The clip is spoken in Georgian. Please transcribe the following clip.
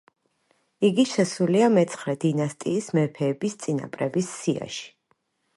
იგი შესულია მეცხრე დინასტიის მეფეების წინაპრების სიაში.